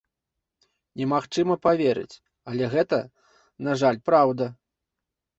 Немагчыма паверыць, але гэта, на жаль, праўда.